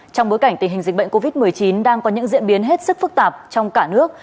trong bối cảnh tình hình dịch bệnh covid một mươi chín đang có những diễn biến hết sức phức tạp trong cả nước